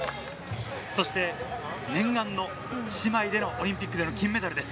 そして、念願の姉妹でのオリンピックでの金メダルです。